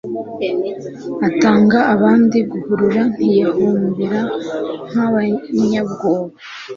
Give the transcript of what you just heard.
Atanga abandi guhurura ntiyahumbira nk,abanyabwoba